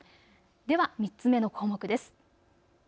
では３つ目の項目です。